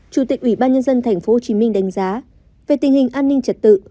chủ tịch ủy ban nhân dân tp hcm đánh giá về tình hình an ninh trật tự